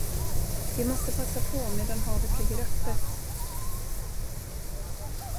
Vi måste passa på medan havet ligger öppet.